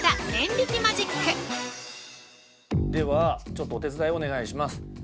では、ちょっとお手伝いをお願いします。